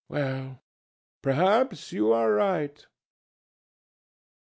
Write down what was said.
"Well, perhaps you are right.